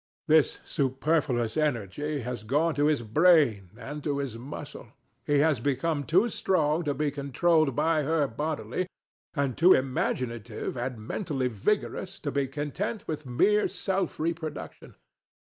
This superfluous energy has gone to his brain and to his muscle. He has become too strong to be controlled by her bodily, and too imaginative and mentally vigorous to be content with mere self reproduction.